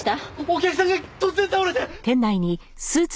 お客さんが突然倒れて。